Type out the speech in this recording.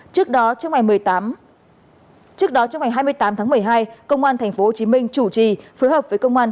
trước đó trong ngày hai mươi tám tháng một mươi hai công an tp hcm chủ trì phối hợp với công an tp hcm